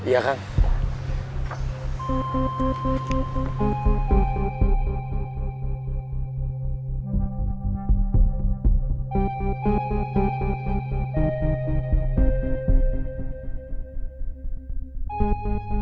kepala saya sering kena pukulan